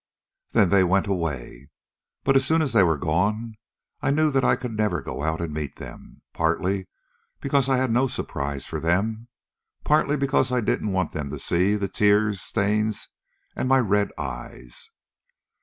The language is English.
"Then they went away. But as soon as they were gone I knew that I could never go out and meet them. Partly because I had no surprise for them, partly because I didn't want them to see the tear stains and my red eyes.